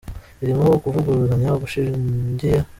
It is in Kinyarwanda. ririmo ukuvuguruzanya gushingiye